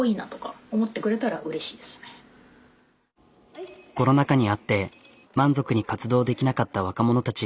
ちょっとコロナ禍にあって満足に活動できなかった若者たち。